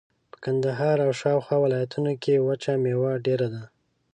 په کندهار او شاوخوا ولایتونو کښې وچه مېوه ډېره ده.